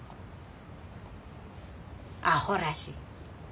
あほらしい。